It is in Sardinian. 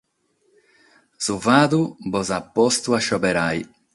Su fadu bos at postu a seberare.